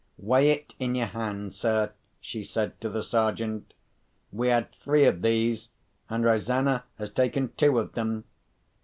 "Weigh it in your hand, sir," she said to the Sergeant. "We had three of these; and Rosanna has taken two of them.